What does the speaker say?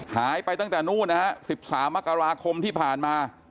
หายไปตั้งแต่นู่นนะฮะ๑๓มกราคมที่ผ่านมา